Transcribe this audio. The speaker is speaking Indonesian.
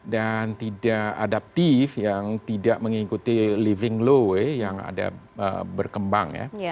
dan tidak adaptif yang tidak mengikuti living law yang ada berkembang